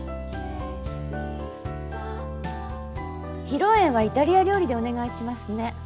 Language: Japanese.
披露宴はイタリア料理でお願いしますね。